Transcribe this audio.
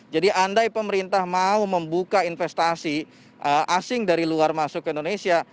andai pemerintah mau membuka investasi asing dari luar masuk ke indonesia